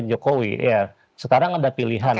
jokowi ya sekarang ada pilihan